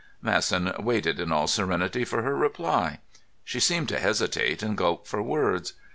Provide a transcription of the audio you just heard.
Masson waited in all serenity for her reply. She seemed to hesitate and gulp for words.